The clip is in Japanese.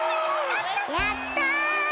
やった！